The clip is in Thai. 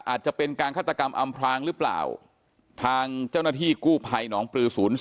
อาจจะเป็นการฆาตกรรมอำพลางหรือเปล่าทางเจ้าหน้าที่กู้ภัยหนองปลือ๐๔